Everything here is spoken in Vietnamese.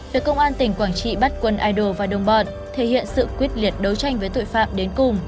việc công an tỉnh quảng trị bắt quân idol và đồng bọn thể hiện sự quyết liệt đấu tranh với tội phạm đến cùng